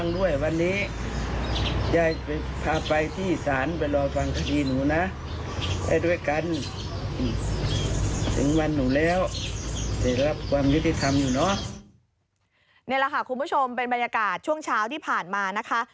นี่แหละค่ะคุณผู้ชมเป็นบรรยากาศช่วงเช้าที่ผ่านมานะคะ